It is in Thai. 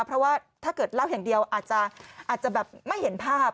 เพราะว่าถ้าเกิดเล่าอย่างเดียวอาจจะแบบไม่เห็นภาพ